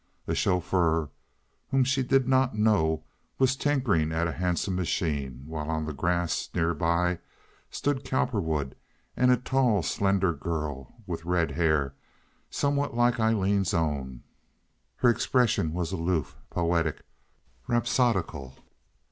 A chauffeur whom she did not know was tinkering at a handsome machine, while on the grass near by stood Cowperwood and a tall, slender girl with red hair somewhat like Aileen's own. Her expression was aloof, poetic, rhapsodical.